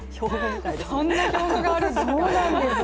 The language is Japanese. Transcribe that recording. そんな記録があるんですか。